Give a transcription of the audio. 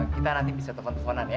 kita nanti bisa telfon tefonan ya